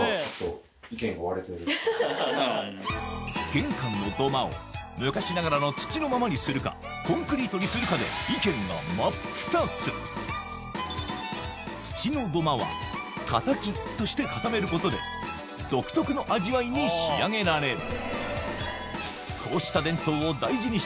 玄関の土間を昔ながらの土のままにするかコンクリートにするかで土の土間は三和土として固めることで独特の味わいに仕上げられる